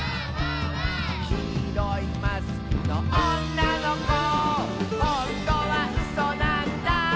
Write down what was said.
「きいろいマスクのおんなのこ」「ほんとはうそなんだ」